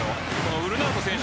ウルナウト選手